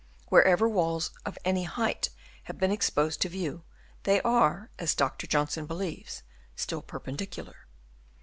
Wher ever walls of any height have been exposed to view, they are, as Dr. Johnson believes, still perpendicular.